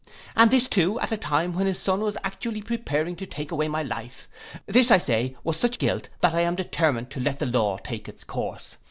And this too at a time when his son was actually preparing to take away my life; this, I say, was such guilt, that I am determined to let the law take its course.